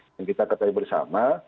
yang kita ketahui bersama